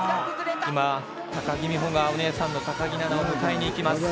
今木美帆がお姉さんの木菜那を迎えに行きます。